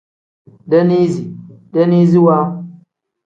Daaniseyi pl: daaniseyiwa n.